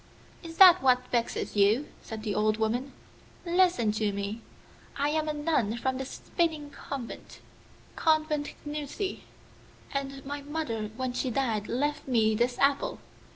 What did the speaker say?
'Is that what vexes you?' said the old woman. 'Listen to me. I am a nun from the Spinning Convent,(10) and my mother when she died left me this apple.